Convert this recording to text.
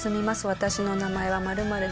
私の名前は○○です。